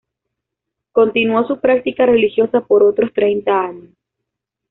Continuó su práctica religiosa por otros treinta años.